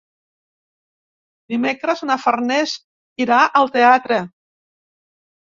Dimecres na Farners irà al teatre.